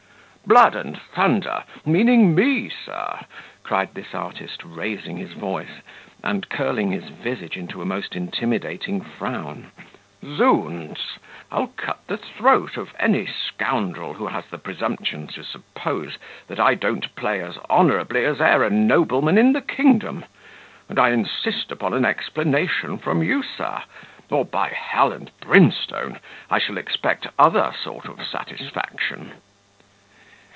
"Blood and thunder! meaning me, sir?" cried this artist, raising his voice, and curling his visage into a most intimidating frown. "Zounds! I'll cut the throat of any scoundrel who has the presumption to suppose that I don't play as honourably as e'er a nobleman in the kingdom: and I insist upon an explanation from you, sir; or, by hell and brimstone! I shall expect other sort of satisfaction."